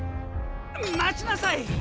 待ちなさい！